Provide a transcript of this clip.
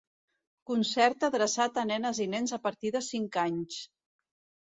Concert adreçat a nenes i nens a partir de cinc anys.